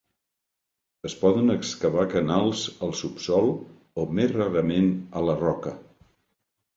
Es poden excavar canals al subsol o, més rarament, a la roca.